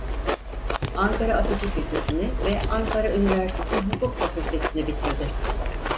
Ankara Atatürk Lisesini ve Ankara Üniversitesi Hukuk Fakültesini bitirdi.